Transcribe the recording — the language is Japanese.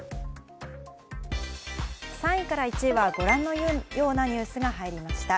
３位から１位はご覧のようなニュースが入りました。